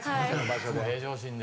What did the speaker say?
平常心で。